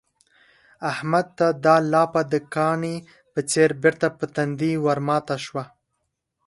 احمد ته دا لاپه د کاني په څېر بېرته پر تندي ورماته شوه.